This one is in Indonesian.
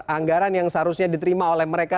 anggaran yang seharusnya diterima oleh mereka